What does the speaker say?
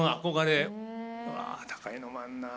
うわ、高いのもあんな。